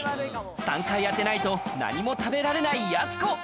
３回当てないと何も食べられないやす子。